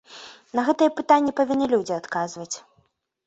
На гэтае пытанне павінны людзі адказваць.